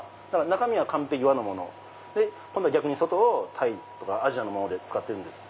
中身は完璧和のもので外をタイとかアジアのもの使ってるんです。